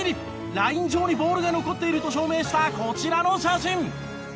ライン上にボールが残っていると証明したこちらの写真。